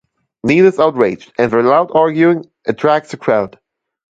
Neal is outraged, and their loud arguing attracts a crowd.